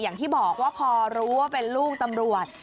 อย่างที่บอกว่าพอรู้ว่าเป็นลูกตำรวจ